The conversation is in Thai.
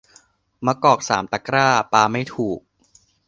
มะกอกสามตะกร้า ปาไม่ถูก